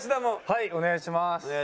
はいお願いします。